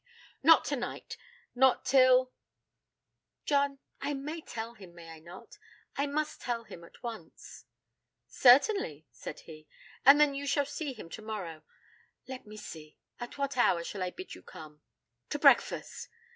'Not tonight not till . John, I may tell him, may I not? I must tell him at once.' 'Certainly,' said he. 'And then you shall see him tomorrow. Let me see at what hour shall I bid you come?' 'To breakfast.'